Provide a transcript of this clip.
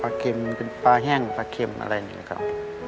เค็มเป็นปลาแห้งปลาเค็มอะไรอย่างนี้ครับ